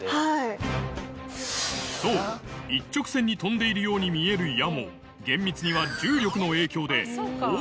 そう一直線に飛んでいるように見える矢も厳密には重力の影響でさらにこう。